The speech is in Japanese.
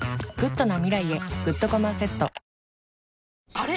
あれ？